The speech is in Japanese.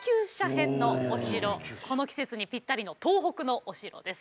この季節にピッタリの東北のお城です。